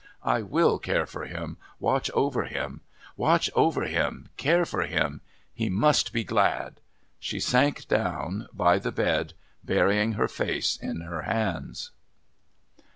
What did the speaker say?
I will care for him, watch over him watch over him, care for him. He must be glad."...She sank down by the bed, burying her face in her hands.